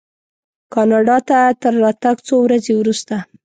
کاناډا ته تر راتګ څو ورځې وروسته.